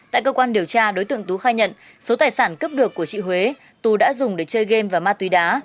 tại cơ quan điều tra đối tượng tú khai nhận số tài sản cướp được của chị huế tú đã dùng để chơi game và ma túy đá